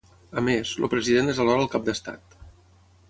A més, el president és alhora el cap d'Estat.